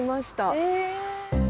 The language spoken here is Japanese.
え！